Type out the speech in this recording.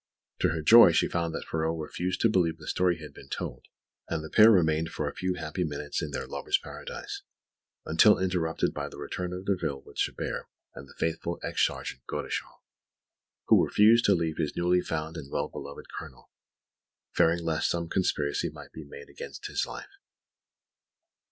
To her joy, she found that Ferraud refused to believe the story he had been told; and the pair remained for a few happy minutes in their lovers' paradise, until interrupted by the return of Derville with Chabert and the faithful ex sergeant, Godeschal, who refused to leave his newly found and well beloved Colonel, fearing lest some conspiracy might be made against his life.